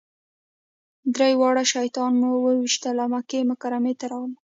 درې واړه شیطانان مو وويشتل او مکې مکرمې ته راغلو.